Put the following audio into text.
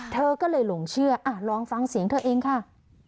เธอก็เลยหลงเชื่อลองฟังเสียงเธอเองค่ะ